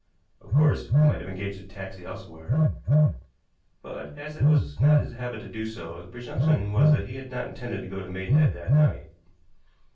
Of course, he might have engaged a taxi elsewhere, but, as it was not his habit to do so, the presumption was that he had not intended to go to Maidenhead that night.